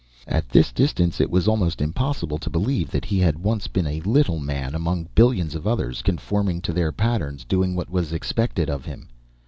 At this distance, it was almost impossible to believe that He had once been a little man among billions of others, conforming to their patterns, doing what was expected of Him.